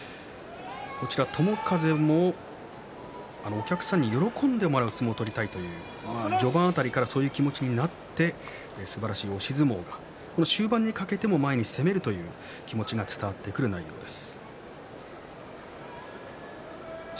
友風もお客さんに喜んでもらえる相撲を取りたいという序盤辺りから、そういう気持ちになってすばらしい押し相撲も終盤にかけても前に出るという内容の相撲になっています。